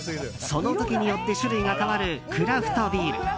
その時によって種類が変わるクラフトビール。